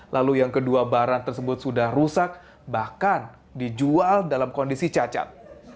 lalu yang kedua barang tersebut sudah rusak bahkan dijual dalam kondisi cacat